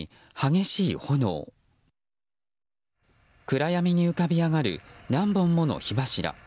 暗闇に浮かび上がる何本もの火柱。